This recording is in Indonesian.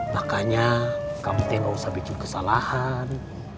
makanya kamu te nggak usah bikin kesalahan